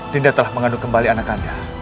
dinda telah mengandung kembali anak anda